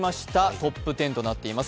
トップ１０となっています。